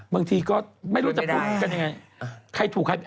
บางทีก็ไม่รู้จะพูดกันยังไง